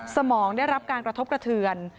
สมองได้รับการกระทบกระเทือน